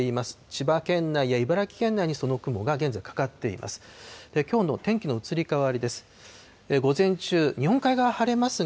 千葉県内や茨城県内にその雲が現在、かかっています。